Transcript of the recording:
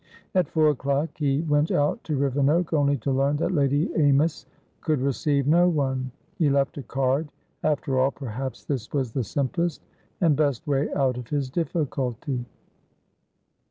At four o'clock he went out to Rivenoak, only to learn that Lady Amys could receive no one. He left a card. After all, perhaps this was the simplest and best way out of his difficulty.